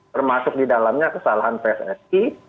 termasuk di dalamnya kesalahan pssi